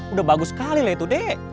udah bagus sekali lah itu dek